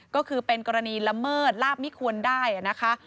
ก็คือเป็นกรณีละเมิดลาบมิควรได้นะคะ